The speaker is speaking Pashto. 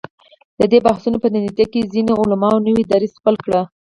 د دې بحثونو په نتیجه کې ځینو علماوو نوی دریځ خپل کړ.